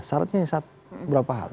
sarannya beberapa hal